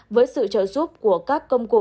với sự trợ giúp của các công cụ